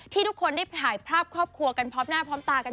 ทุกคนได้ถ่ายภาพครอบครัวกันพร้อมหน้าพร้อมตากัน